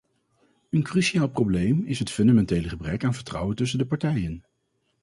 Een cruciaal probleem is het fundamentele gebrek aan vertrouwen tussen de partijen.